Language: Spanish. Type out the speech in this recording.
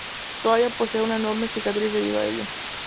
Todavía posee una enorme cicatriz debido a ello.